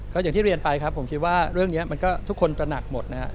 ก็อย่างที่เรียนไปครับผมคิดว่าเรื่องนี้มันก็ทุกคนตระหนักหมดนะครับ